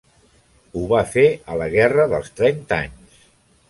Ho va fer a la Guerra dels Trenta Anys.